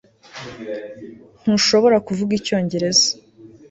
ntushobora kuvuga icyongereza